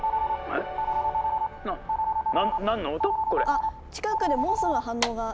あ近くでモンストロの反応が。